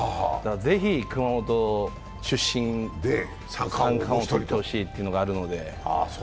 ぜひ熊本出身で三冠を取ってほしいというのがあるので。